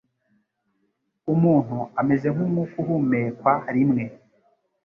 Umuntu ameze nk’umwuka uhumekwa rimwe